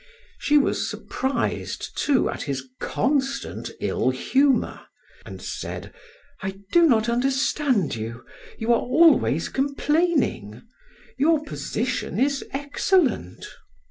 She was surprised, too, at his constant ill humor, and said: "I do not understand you. You are always complaining. Your position is excellent."